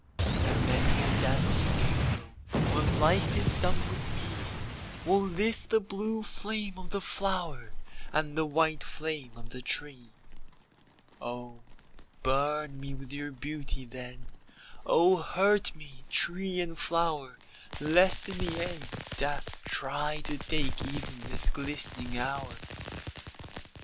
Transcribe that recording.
And many a dancing April When life is done with me, Will lift the blue flame of the flower And the white flame of the tree. Oh burn me with your beauty, then, Oh hurt me, tree and flower, Lest in the end death try to take Even this glistening hour.